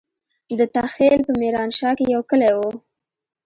دته خېل په ميرانشاه کې يو کلی وو.